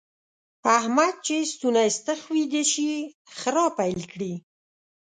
احمد چې ستونی ستخ ويده شي؛ خرا پيل کړي.